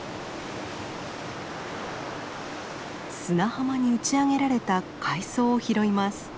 砂浜に打ち上げられた海藻を拾います。